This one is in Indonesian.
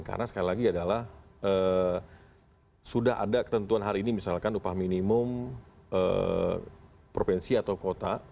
karena sekali lagi adalah sudah ada ketentuan hari ini misalkan upah minimum provinsi atau kota